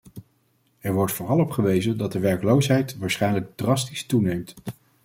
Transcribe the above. Er wordt vooral op gewezen dat de werkloosheid waarschijnlijk drastisch toeneemt.